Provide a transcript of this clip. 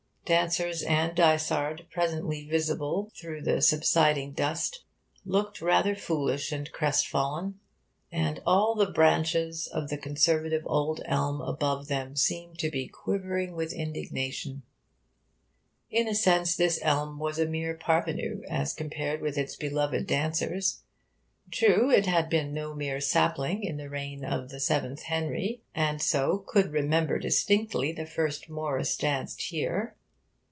Dancers and dysard, presently visible through the subsiding dust, looked rather foolish and crestfallen. And all the branches of the conservative old elm above them seemed to be quivering with indignation. In a sense this elm was a mere parvenu as compared with its beloved dancers. True, it had been no mere sapling in the reign of the seventh Henry, and so could remember distinctly the first Morris danced here.